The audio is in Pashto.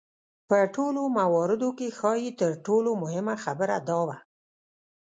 په ټولو مواردو کې ښايي تر ټولو مهمه خبره دا وه.